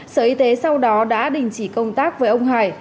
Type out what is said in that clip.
sở y tế sau đó đã đình chỉ công tác với ông hải